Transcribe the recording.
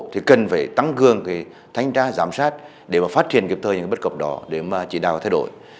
thì cần phải tăng cường cái thanh tra giám sát để mà phát triển kịp thời những bất cập đó để mà chỉ đào thay đổi